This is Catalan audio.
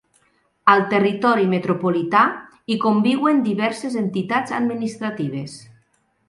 Al territori metropolità hi conviuen diverses entitats administratives.